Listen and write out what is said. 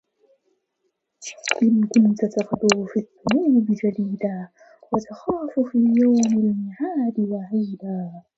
إن كنت تغدو في الذنـوب جليـدا... وتخاف في يوم المعاد وعيـدا